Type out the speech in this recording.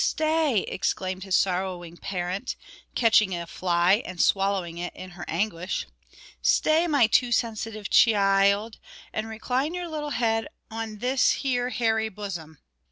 stay," exclaimed his sorrowing parent, catching a fly and swallowing it in her anguish. "Stay, my too sensitive chee ild, and recline your little head on this here hairy bosom."